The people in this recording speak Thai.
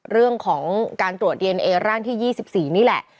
เรื่องของการตรวจดีเอนเอร่างที่๒๔นี่แหละ